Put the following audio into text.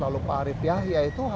lalu pak arief yahya itu harus ditugasan